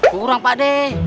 kurang pak d